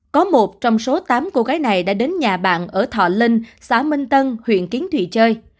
có một trong số tám cô gái này đã đến nhà bạn ở thọ linh xã minh tân huyện kiến thụy chơi